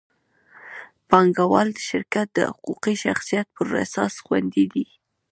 پانګهوال د شرکت د حقوقي شخصیت پر اساس خوندي دي.